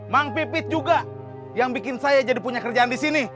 mang pipit juga yang bikin saya jadi punya kerjaan di sini